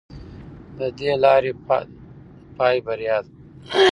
د دې لارې پای بریا ده.